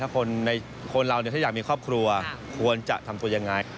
คนเราถ้าอยากมีครอบครัวควรจะทำตัวยังไง